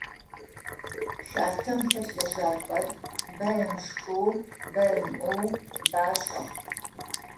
Хатэм хэт лэжьакӏор бэ ымышхэу, бэ ымыӏоу башӏэ.